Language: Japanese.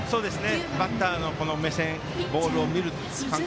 バッターの目線ボールを見る感覚